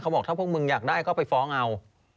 บอกถ้าพวกมึงอยากได้ก็ไปฟ้องเอา